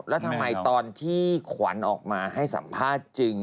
แล้วทำไมตอนที่ขวัญออกมาให้สัมภาษณ์จริง